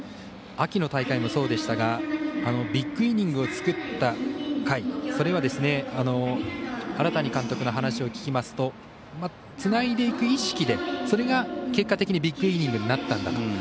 秋の大会もそうでしたがビッグイニングを作った回それは荒谷監督の話を聞きますとつないでいく意識でそれが結果的にビッグイニングになったんだと。